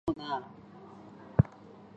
沈静的夜里他深深的叹息